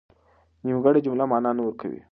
نيمګړې جمله مانا نه ورکوي.